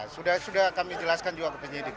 sudah sudah kami jelaskan juga ke penyidik